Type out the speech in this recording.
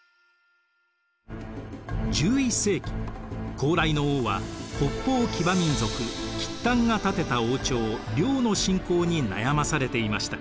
高麗の王は北方騎馬民族契丹が建てた王朝遼の侵攻に悩まされていました。